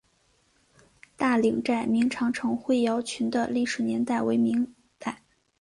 大岭寨明长城灰窑群的历史年代为明代。